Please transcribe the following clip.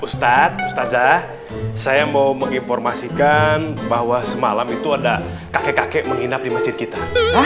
ustadz ustadzah saya mau menginformasikan bahwa semalam itu ada kakek kakek menginap di masjid kita